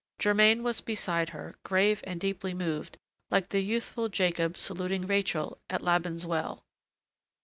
Germain was beside her, grave and deeply moved, like the youthful Jacob saluting Rachel at Laban's well.